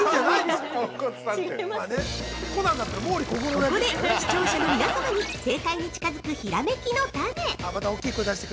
◆ここで視聴者の皆様に、正解に近づくひらめきのタネ。